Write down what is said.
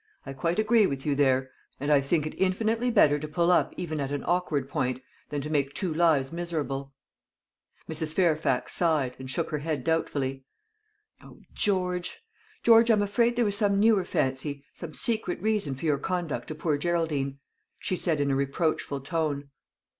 I quite agree with you there; but I made it, and I think it infinitely better to pull up even at an awkward point than to make two lives miserable." Mrs. Fairfax sighed, and shook her head doubtfully. "O, George, George, I'm afraid there was some newer fancy some secret reason for your conduct to poor Geraldine," she said in a reproachful tone.